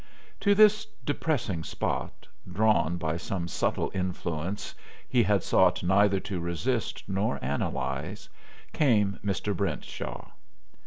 To this depressing spot, drawn by some subtle influence he had sought neither to resist nor analyze, came Mr. Brentshaw.